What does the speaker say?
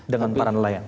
dengan para nelayan